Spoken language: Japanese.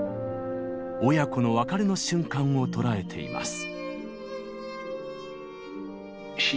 親子の別れの瞬間を捉えています。